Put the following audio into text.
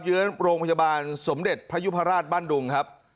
เยือนโรงพยาบาลสมเด็จพยุพราชบ้านดุงครับ